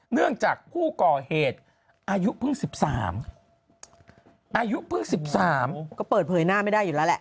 เนื่องจากผู้ก่อเหตุอายุเพิ่ง๑๓อายุเพิ่ง๑๓ก็เปิดเผยหน้าไม่ได้อยู่แล้วแหละ